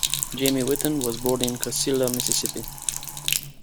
Jamie Whitten was born in Cascilla, Mississippi.